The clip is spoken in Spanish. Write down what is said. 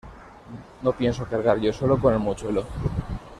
No pienso cargar yo solo con el mochuelo